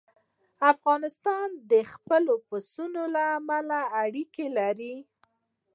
افغانستان د خپلو پسونو له امله اړیکې لري.